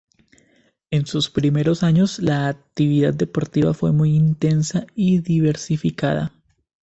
En sus primeros años la actividad deportiva fue muy intensa y diversificada.